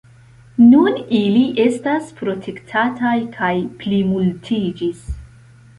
Nun ili estas protektataj kaj plimultiĝis.